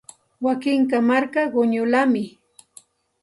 Wakunku marka quñullami.